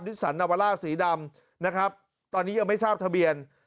สันนาวาล่าสีดำนะครับตอนนี้ยังไม่ทราบทะเบียน